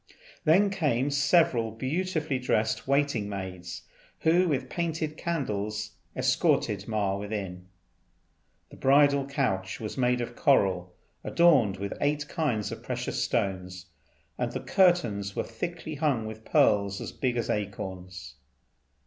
Then came several beautifully dressed waiting maids, who with painted candles escorted Ma within. The bridal couch was made of coral adorned with eight kinds of precious stones, and the curtains were thickly hung with pearls as big as acorns.